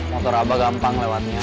motor abah gampang lewatnya